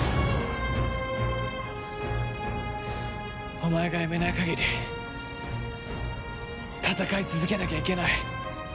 お前がやめない限り戦い続けなきゃいけない。